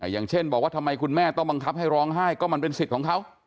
อย่างเช่นบอกว่าทำไมคุณแม่ต้องบังคับให้ร้องไห้ก็มันเป็นสิทธิ์ของเขา